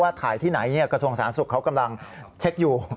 ถ่ายที่ไหนกระทรวงสาธารณสุขเขากำลังเช็คอยู่